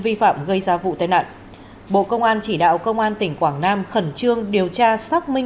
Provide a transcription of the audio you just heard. vi phạm gây ra vụ tai nạn bộ công an chỉ đạo công an tỉnh quảng nam khẩn trương điều tra xác minh